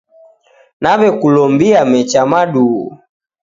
Naw'ekulombia mecha maduu.